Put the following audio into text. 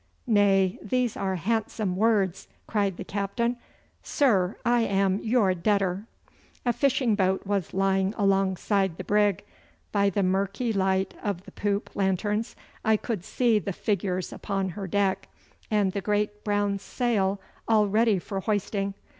'Nay, these are handsome words,' cried the captain. 'Sir, I am your debtor.' A fishing boat was lying alongside the brig. By the murky light of the poop lanterns I could see the figures upon her deck, and the great brown sail all ready for hoisting.